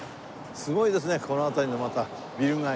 すごいですねこの辺りのまたビル街が。